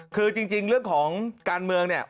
คือจริงเรื่องของการเมืองเนี่ย